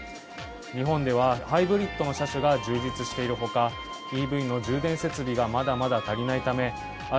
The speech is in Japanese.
日本ではハイブリッドの車種が充実しているほかＥＶの充電設備がまだまだ足りないためある